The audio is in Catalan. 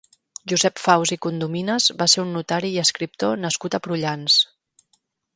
Josep Faus i Condomines va ser un notari i escriptor nascut a Prullans.